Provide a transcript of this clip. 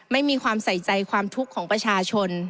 ไม่มีความใส่ใจความทุกข์ของประชาชน